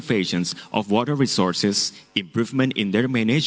ketika baterai sangat mahal